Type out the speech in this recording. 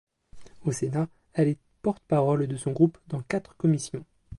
Au Sénat, elle est porte-parole de son groupe dans quatre commissions.